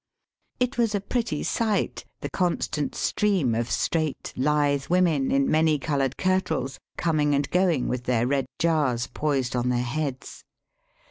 It was a pretty sight, the constant stream of straight, hthe women in many coloured kirtles coming and going with their red jars poised on their heads.